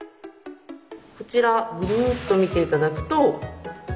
こちらぐるっと見て頂くと。